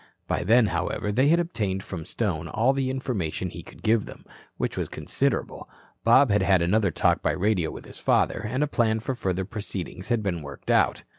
By then, however, they had obtained from Stone all the information he could give them, which was considerable; Bob had had another talk by radio with his father, and a plan for further proceedings had been worked out.